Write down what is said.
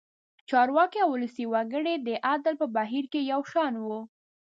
چارواکي او ولسي وګړي د عدل په بهیر کې یو شان وو.